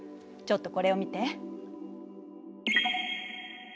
ちょっとこれを見て。